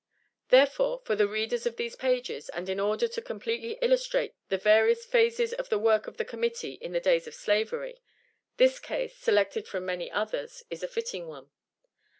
Therefore, for the readers of these pages, and in order to completely illustrate the various phases of the work of the Committee in the days of Slavery, this case, selected from many others, is a fitting one.